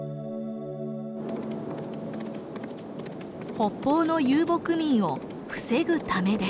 北方の遊牧民を防ぐためです。